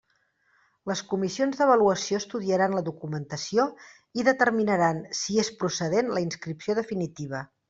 Les comissions d'avaluació estudiaran la documentació i determinaran si és procedent la inscripció definitiva.